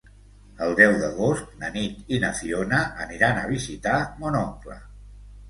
El deu d'agost na Nit i na Fiona aniran a visitar mon oncle.